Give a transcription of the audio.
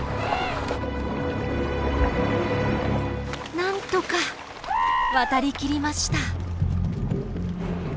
なんとか渡り切りました。